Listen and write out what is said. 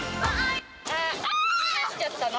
逃しちゃったの？